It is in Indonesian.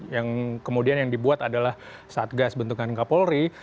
yang kemudian yang dibuat adalah satgas bentukan kapolri